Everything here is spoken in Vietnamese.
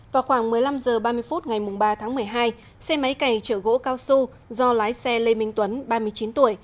vào khoảng một mươi năm h ba mươi phút ngày ba tháng một mươi hai xe máy cày trở gỗ cao su do lái xe lê minh tuấn ba mươi chín tuổi